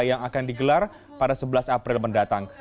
yang akan digelar pada sebelas april mendatang